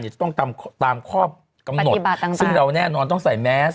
จะต้องตามข้อกำหนดซึ่งเราแน่นอนต้องใส่แมส